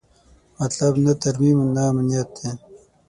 مطلب نه ترمیم او نه امنیت دی.